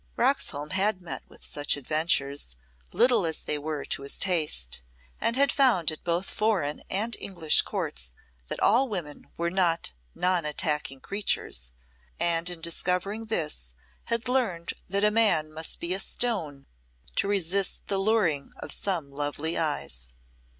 Roxholm had met with such adventures, little as they were to his taste, and had found at both foreign and English Courts that all women were not non attacking creatures, and in discovering this had learned that a man must be a stone to resist the luring of some lovely eyes.